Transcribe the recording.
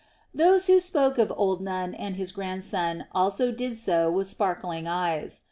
Those who spoke of old Nun and his grandson also did so with sparkling eyes.